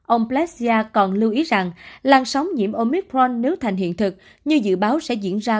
ông plashia còn lưu ý rằng làn sóng nhiễm omicron nếu thành hiện thực như dự báo sẽ diễn ra